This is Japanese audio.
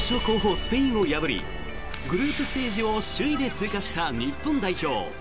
スペインを破りグループステージを首位で通過した日本代表。